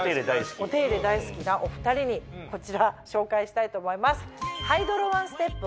お手入れ大好きなお２人にこちら紹介したいと思います。